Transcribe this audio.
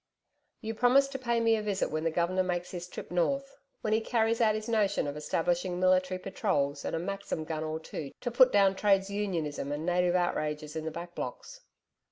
'You promise to pay me a visit when the Governor makes his trip north when he carries out his notion of establishing military patrols and a Maxim gun or two to put down Trades Unionism and native outrages in the Back Blocks?'